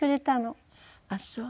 ああそう。